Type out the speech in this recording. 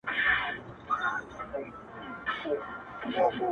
• هم پروا نه لري -